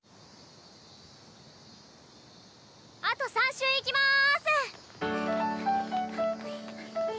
あと３周いきます！